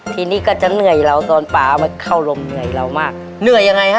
ทีนี้ก็จะเหนื่อยเราตอนป่ามันเข้าลมเหนื่อยเรามากเหนื่อยยังไงฮะ